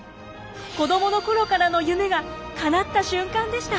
子供の頃からの夢がかなった瞬間でした。